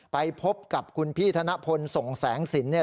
ไปพบกับคุณพี่ธนพลสงสังศิลป์เนี่ย